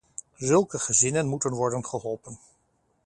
Zulke gezinnen moeten worden geholpen.